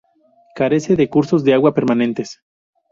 Carece de cursos de agua permanentes.